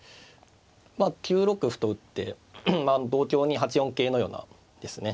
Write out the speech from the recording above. ９六歩と打って同香に８四桂のようなですね